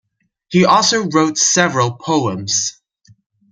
He also wrote several poems.